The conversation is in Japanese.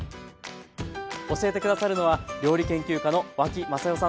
教えて下さるのは料理研究家の脇雅世さんです。